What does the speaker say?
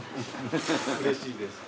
うれしいです。